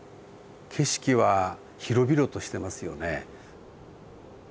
景色は広々としてますよね。